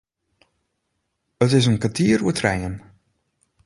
It is in kertier oer trijen.